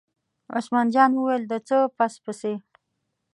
عثمان جان وویل: د څه پس پسي.